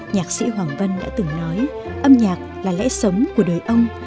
nhạc sĩ hoàng vân đã từng nói âm nhạc là lẽ sống của đời ông